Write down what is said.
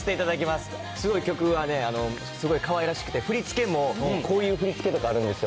すごい曲はすごいかわいらしくて、振り付けもこういう振り付けとかあるんですよ。